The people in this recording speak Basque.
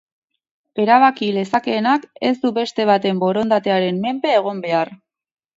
Erabaki lezakeenak, ez du beste baten borondatearen menpe egon behar.